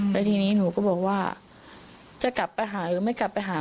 แล้วทีนี้หนูก็บอกว่าจะกลับไปหาหรือไม่กลับไปหา